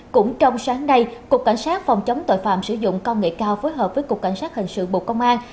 cũng trong sáng nay cục cảnh sát phòng chống tội phạm sử dụng công nghệ cao phối hợp với cục cảnh sát hình sự bộ công an